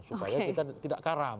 supaya kita tidak karam